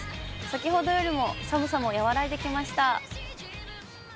先ほどよりも寒さも和らいできました。